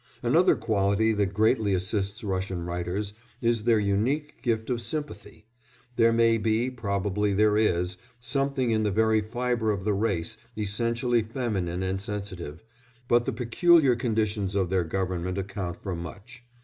Another quality that greatly assists Russian writers is their unique gift of sympathy; there may be, probably there is, something in the very fibre of the race essentially feminine and sensitive, but the peculiar conditions of their government account for much.